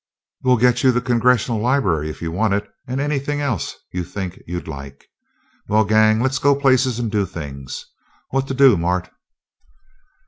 "We'll get you the Congressional Library, if you want it, and anything else you think you'd like. Well, gang, let's go places and do things! What to do, Mart?"